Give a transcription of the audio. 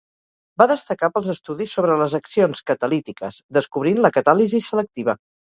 Va destacar pels estudis sobre les accions catalítiques, descobrint la catàlisi selectiva.